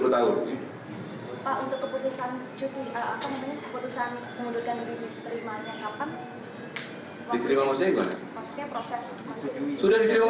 pak untuk keputusan cukuni apa maksudnya keputusan mengundurkan diri diterima yang kapan